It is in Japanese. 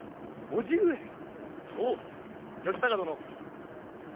おお義高殿。